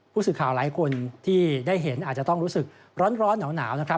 ผู้สื่อข่าวหลายคนที่ได้เห็นอาจจะต้องรู้สึกร้อนหนาวนะครับ